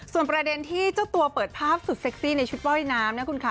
ส่วนประเด็นที่เจ้าตัวเปิดภาพสุดเซ็กซี่ในชุดว่ายน้ำนะคุณคะ